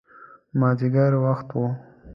مازدیګر وخت و.